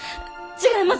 違います。